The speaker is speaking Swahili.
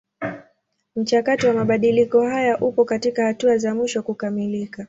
Mchakato wa mabadiliko haya upo katika hatua za mwisho kukamilika.